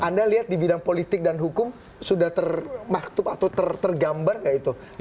anda lihat di bidang politik dan hukum sudah termaktub atau tergambar nggak itu